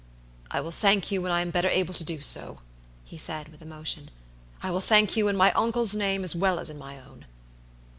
"I will thank you when I am better able to do so," he said, with emotion; "I will thank you in my uncle's name as well as in my own."